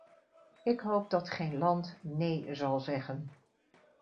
Ik hoop dat geen land "nee” zal zeggen.